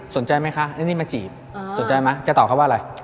สนใจไหมคะนี่มาจีบสนใจไหมจะตอบเขาว่าอะไร